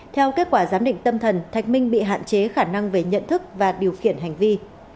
theo kết quả giám định tâm thần thạch minh bị hạn chế khả năng về nhận thức và điều khiển hành vi